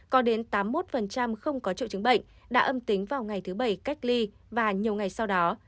có đến tám mươi một không có triệu chứng bệnh đã âm tính vào ngày thứ bảy cách ly và nhiều ngày sau đó